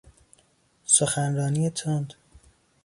سخنرانی تند